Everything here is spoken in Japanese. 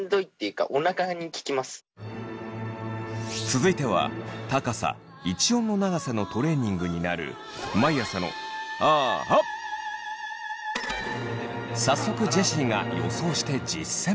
続いては高さ一音の長さのトレーニングになる早速ジェシーが予想して実践！